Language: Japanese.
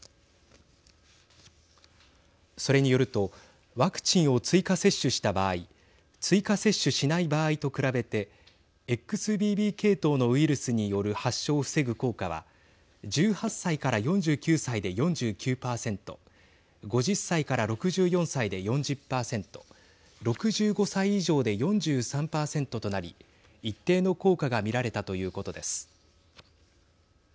それによるとワクチンを追加接種した場合追加接種しない場合と比べてＸＢＢ系統のウイルスによる発症を防ぐ効果は１８歳から４９歳で４９％５０歳から６４歳で４０％６５歳以上で４３％となり一定の効果が見られたということです。